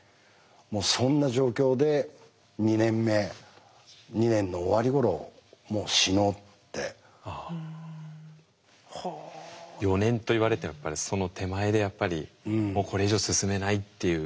もうそんな状況で２年目２年の終わりごろ４年と言われてその手前でやっぱりもうこれ以上進めないっていう。